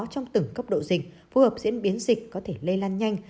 trong từng cấp độ dịch phù hợp diễn biến dịch có thể lây lan nhanh